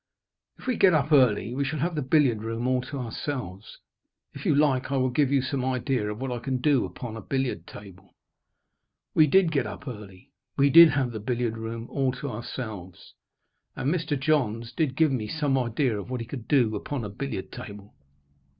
"If we get up early, we shall have the billiard room all to ourselves. If you like, I will give you some idea of what I can do upon a billiard table." We did get up early. We did have the billiard room all to ourselves. And Mr. Johns did give me some idea of what he could do upon a billiard table.